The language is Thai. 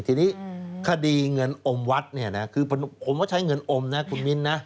ทีนี้คดีเงินอมวัดคือผมก็ใช้เงินอมนะคุณมินนะ